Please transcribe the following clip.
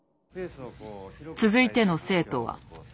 続いての生徒は。